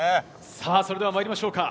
さあ、それではまいりましょうか。